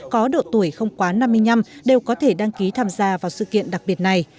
có độ tuổi không quá năm mươi năm đều có thể đăng ký tham gia vào sự kiện đặc biệt này